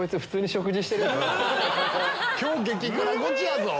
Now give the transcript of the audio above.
今日激辛ゴチやぞ！